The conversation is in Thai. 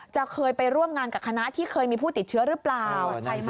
จะเคยไปร่วมงานกับคณะที่เคยมีผู้ติดเชื้อหรือเปล่า